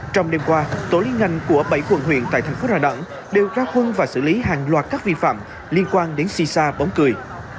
trong đêm qua tổ liên ngành của bảy quận huyện tại thành phố đà nẵng đều ra quân và xử lý hàng loạt các vi phạm liên quan đến si sa bóng cười